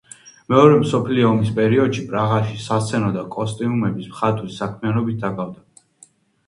მეორე მსოფლიო ომის პერიოდში პრაღაში სასცენო და კოსტიუმების მხატვრის საქმიანობით დაკავდა.